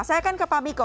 saya akan ke pak miko